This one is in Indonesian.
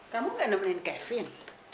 kamu nggak numpahin kevin